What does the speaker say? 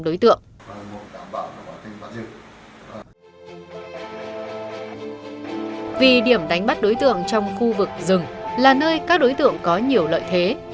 về điểm đánh bắt đối tượng trong khu vực rừng là nơi các đối tượng có nhiều lợi thế